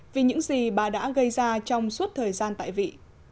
vì những gì bà đã gây ra trong suốt thời gian tại vị